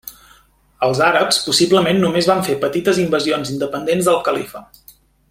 Els àrabs possiblement només van fer petites invasions independents del Califa.